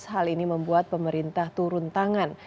hal ini membuat pemerintah turun tangan